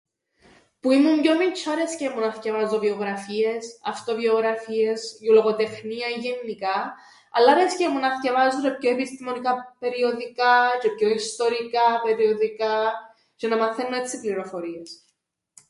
Που ήμουν πιο μιτσ̆ιά άρεσκεν μου να θκιαβάζω βιογραφίες, αυτοβιογραφίες, λογοτεχνίαν γεννικά. Αλλά άρεσκεν μου να θκιαβάζω τζ̆αι πιο επιστημονικά περιοδικά τζ̆αι πιο ιστορικά περιοδικά τζ̆αι να μαθαίννω έτσι πληροφορίες.